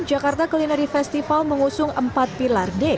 jakarta culinary festival mengusung empat pilar day